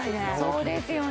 そうですよね